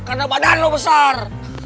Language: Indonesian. karena badan lu besar